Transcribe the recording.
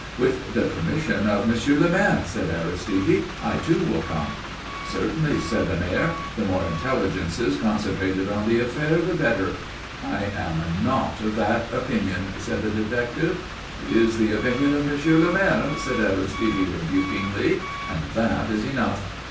"With the permission of Monsieur le Maire," said Aristide. "I too will come." "Certainly," said the Mayor. "The more intelligences concentrated on the affair the better." "I am not of that opinion," said the detective. "It is the opinion of Monsieur le Maire," said Aristide rebukingly, "and that is enough."